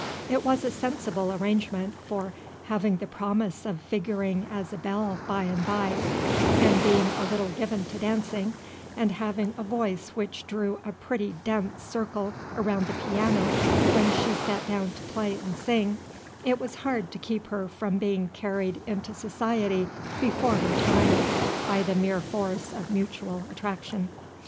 It was a sensible arrangement; for, having the promise of figuring as a belle by and by, and being a little given to dancing, and having a voice which drew a pretty dense circle around the piano when she sat down to play and sing, it was hard to keep her from being carried into society before her time, by the mere force of mutual attraction.